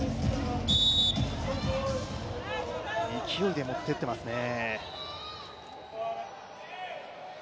勢いで持ってってますね。